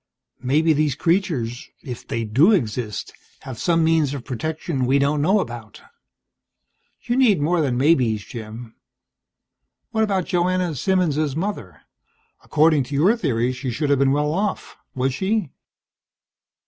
Maybe these creatures if they do exist have some means of protection we don't know about." "You need more than maybes, Jim. What about Joanna Simmons' mother? According to your theories she should have been well off. Was she?"